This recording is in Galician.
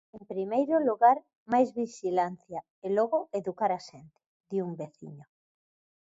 En primeiro lugar, máis vixilancia, e logo educar a xente, di un veciño.